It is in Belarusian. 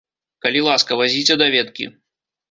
Калі ласка, вазіце даведкі.